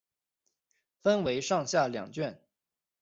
分为上下两卷。